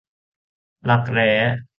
รักแร้